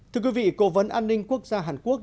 thưa quý vị cố vấn an ninh quốc gia hàn quốc